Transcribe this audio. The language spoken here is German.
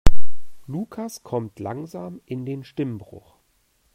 Lukas kommt langsam in den Stimmbruch.